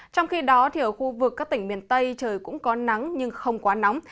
trong khi đó ở khu vực các tỉnh miền tây trời cũng có nắng nhưng không quá nóng